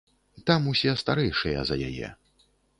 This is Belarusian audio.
Там усе старэйшыя за яе.